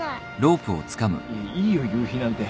いいよ夕日なんて。